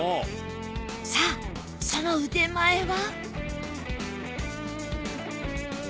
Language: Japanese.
さあその腕前は？